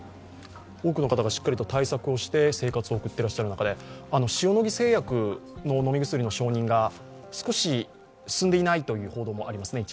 多くの方がしっかりと対策をして生活を送っている中で塩野義製薬の飲み薬の承認が少しし進んでいなという報道もありますね。